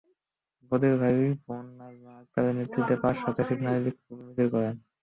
বদির ছোট বোন নাজমা আকতারের নেতৃত্বে পাঁচ শতাধিক নারী বিক্ষোভ মিছিল করেন।